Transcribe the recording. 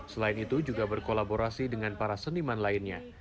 selain itu juga berkolaborasi dengan para seniman lainnya